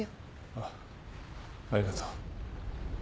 ああありがとう。